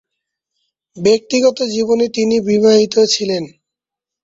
ব্যক্তিগত জীবনে তিনি বিবাহিত ছিলেন।